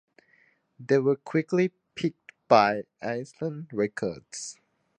They were quickly picked up by Island Records.